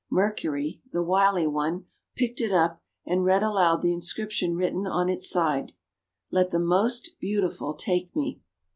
Mercury, the wily one, picked it up, and read aloud the inscription written on its side :— "Let the most beautiful take me."